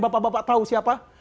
bapak bapak tau siapa